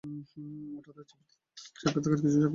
ওটাতে ছবি, সাক্ষাৎকার, ও কিছু সাক্ষ্য প্রমাণ আছে।